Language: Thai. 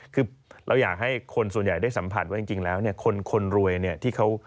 คือเราอยากให้คนส่วนใหญ่ได้สัมผัสว่าจริงแล้วเนี่ยคนรวยเนี่ยที่เขา